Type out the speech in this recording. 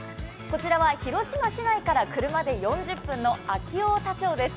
こちらは広島市内から車で４０分の安芸太田町です。